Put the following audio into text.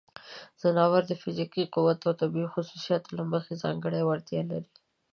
ځناور د فزیکي قوت او طبیعی خصوصیاتو له مخې ځانګړې وړتیاوې لري.